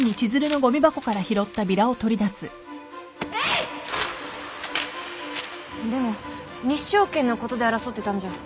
えいっ！でも日照権のことで争ってたんじゃ。